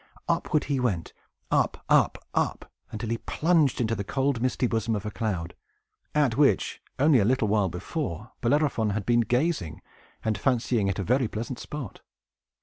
Upward he went, up, up, up, until he plunged into the cold misty bosom of a cloud, at which, only a little while before, Bellerophon had been gazing, and fancying it a very pleasant spot.